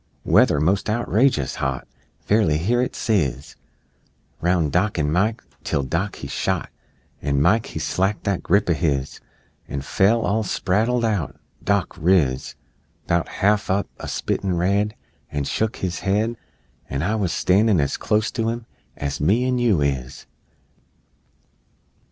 Weather most outrageous hot! Fairly hear it sizz Roun' Dock an' Mike till Dock he shot, An' Mike he slacked that grip o' his An' fell, all spraddled out. Dock riz 'Bout half up, a spittin' red, An' shuck his head An' I wuz a standin' as clost to 'em As me an' you is!